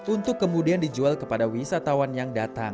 untuk kemudian dijual kepada wisatawan yang datang